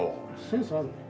センスあるね。